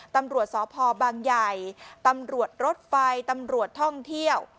ตำรวจสพบางใหญ่ตำรวจรถไฟตำรวจท่องเที่ยว